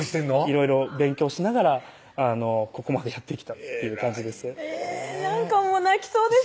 いろいろ勉強しながらここまでやってきたっていう感じですなんかもう泣きそうです